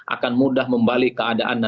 akan mudah membalik keadaan dan sebagainya